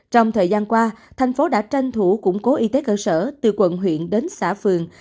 trong thời gian qua thành phố đã tranh thủ củng cố y tế cơ sở từ quận huyện đến xã phường